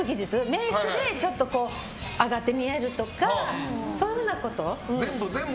メイクで上がって見えるとかそういうふうなこと。